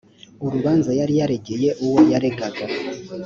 urubanza yari yaregeye uwo yaregaga